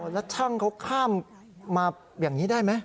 แล้วช่างเขาข้ามมาอย่างนี้ได้ไหม